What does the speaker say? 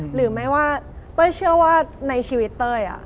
หรือไม่ว่าเต้ยเชื่อว่าในชีวิตเต้ย